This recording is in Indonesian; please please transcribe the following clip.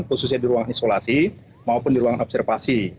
khususnya di ruang isolasi maupun di ruangan observasi